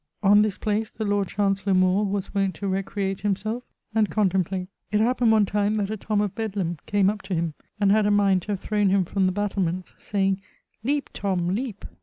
On this place the Lord Chancellour More was wont to recreate himselfe and contemplate. It happened one time that a Tom of Bedlam came up to him, and had a mind to have throwne him from the battlements, saying 'Leap, Tom, leap.'